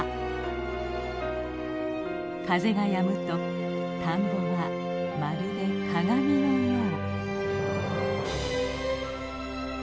風がやむと田んぼはまるで鏡のよう。